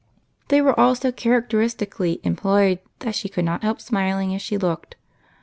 They were all so characteristically employed that she could not help smiling as she looked.